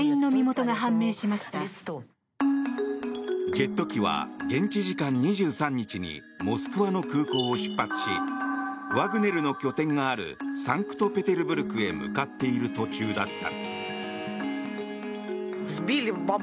ジェット機は現地時間２３日にモスクワの空港を出発しワグネルの拠点があるサンクトペテルブルクへ向かっている途中だった。